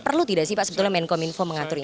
perlu tidak sih pak sebetulnya menkom info mengatur itu